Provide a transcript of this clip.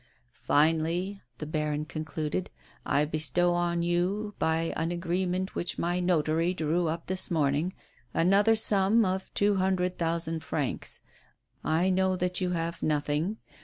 "Finally," the baron concluded, "I bestow on you, by an agreement which my notary drew up this morning, another sum of two hundred thousand francs. I know that you have nothing.